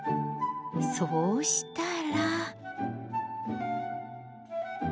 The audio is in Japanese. そうしたら。